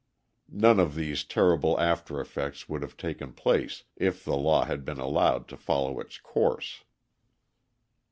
None of these terrible after effects would have taken place if the law had been allowed to follow its course.